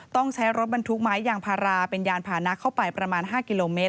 ต้องใช้รถบรรทุกไม้ยางพาราเป็นยานพานะเข้าไปประมาณ๕กิโลเมตร